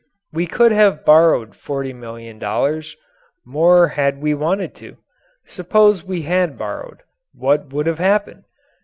We could have borrowed $40,000,000 more had we wanted to. Suppose we had borrowed, what would have happened?